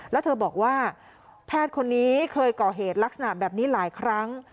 แล้วเธอบอกว่าแพทย์คนนี้เคยก่อเหตุลักษณะแบบนี้หลายครั้ง